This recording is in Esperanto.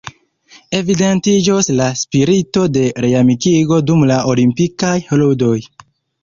Evidentiĝos la spirito de reamikigo dum la Olimpikaj Ludoj.